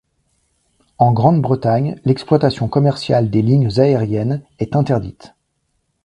En Grande-Bretagne, l'exploitation commerciale des lignes aeriennes est interdite.